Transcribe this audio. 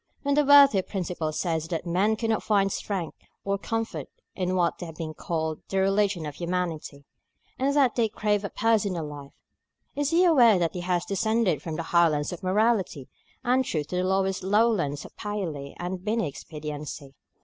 When the worthy Principal says that men cannot find strength or comfort in what has been called the Religion of Humanity, and that they crave a personal life, is he aware that he has descended from the highlands of morality and truth to the lowest lowlands of Paley and Binney expediency?